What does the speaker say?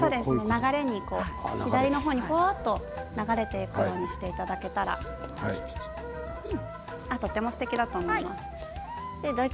流れに、左の方にふわっと流れていくようにしていただけたらとてもすてきだと思います。